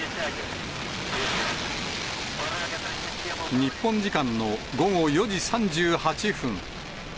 日本時間の午後４時３８分。